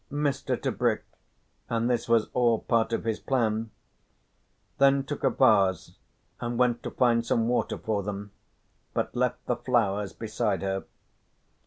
Mr. Tebrick (and this was all part of his plan) then took a vase and went to find some water for them, but left the flowers beside her.